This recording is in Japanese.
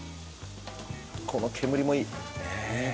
この煙もいい。